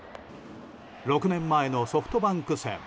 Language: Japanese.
６年前のソフトバンク戦。